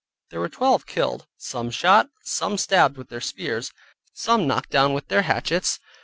There were twelve killed, some shot, some stabbed with their spears, some knocked down with their hatchets.